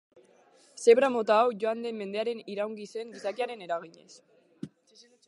Zebra mota hau joan den mendean iraungi zen gizakiaren eraginez.